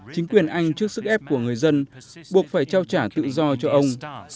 chính quyền anh trước sức ép của người dân buộc phải trao trả tự do cho ông